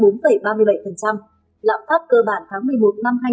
lạm pháp cơ bản tháng một mươi một năm hai nghìn hai mươi hai tăng ba